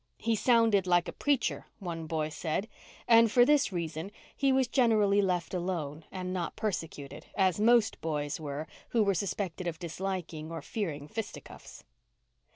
He "sounded like a preacher," one boy said; and for this reason he was generally left alone and not persecuted, as most boys were who were suspected of disliking or fearing fisticuffs.